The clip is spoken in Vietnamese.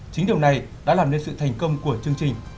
chính điều này đã làm nên sự thành công của chương trình